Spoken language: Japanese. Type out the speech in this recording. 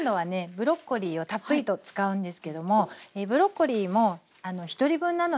ブロッコリーをたっぷりと使うんですけどもブロッコリーも１人分なのでね